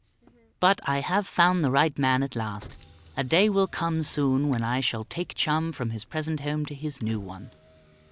But I have found the right man at last. A day will come soon when I shall take Chum from his present home to his new one.